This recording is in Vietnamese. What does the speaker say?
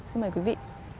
xin mời quý vị